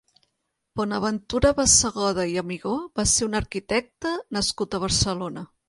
Bonaventura Bassegoda i Amigó va ser un arquitecte nascut a Barcelona.